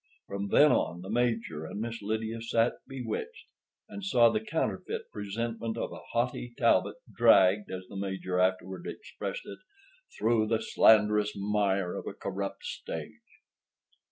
From then on, the Major and Miss Lydia sat bewitched, and saw the counterfeit presentment of a haughty Talbot "dragged," as the Major afterward expressed it, "through the slanderous mire of a corrupt stage."